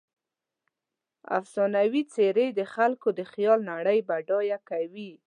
افسانوي څیرې د خلکو د خیال نړۍ بډایه کوي.